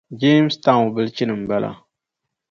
Jamestown bilichini m-bala